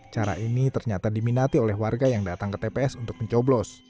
cara ini ternyata diminati oleh warga yang datang ke tps untuk mencoblos